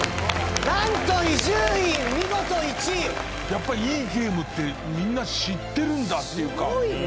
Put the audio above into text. やっぱ、いいゲームってみんな知ってるんだっていうか。